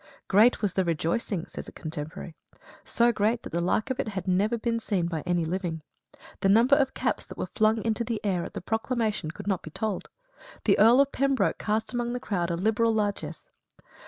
"Great was the rejoicing," says a contemporary; so great that the like of it had never been seen by any living. The number of caps that were flung into the air at the proclamation could not be told. The Earl of Pembroke cast among the crowd a liberal largess.